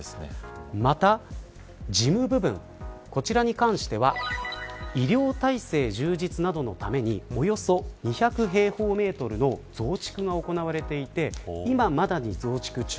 また、事務部分こちらに関しては医療体制充実などのためにおよそ２００平方メートルの増築が行われていて今、まさに増築中。